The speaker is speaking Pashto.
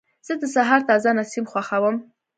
زه د سهار تازه نسیم خوښوم.